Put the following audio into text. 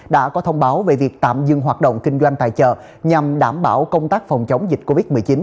đã có thông báo về việc tạm dừng hoạt động kinh doanh tài trợ nhằm đảm bảo công tác phòng chống dịch covid một mươi chín